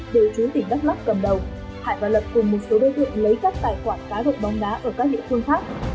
đều trú tỉnh đắk lắk cầm đầu hải và lập cùng một số đối tượng lấy các tài khoản cá đội bóng đá ở các địa phương khác